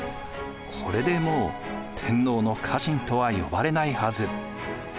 これでもう天皇の家臣とは呼ばれないはず。